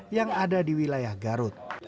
yang ada di wilayah garut